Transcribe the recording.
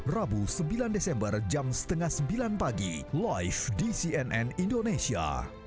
rabu sembilan desember jam setengah sembilan pagi live di cnn indonesia